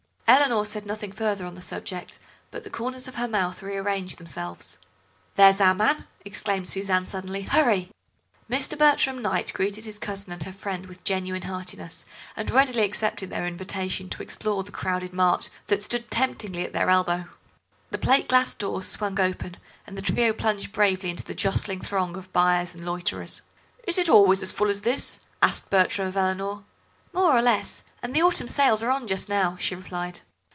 Eleanor said nothing further on the subject, but the corners of her mouth rearranged themselves. "There's our man!" exclaimed Suzanne suddenly; "hurry!" Mr. Bertram Kneyght greeted his cousin and her friend with genuine heartiness, and readily accepted their invitation to explore the crowded mart that stood temptingly at their elbow. The plate glass doors swung open and the trio plunged bravely into the jostling throng of buyers and loiterers. "Is it always as full as this?" asked Bertram of Eleanor. "More or less, and autumn sales are on just now," she replied.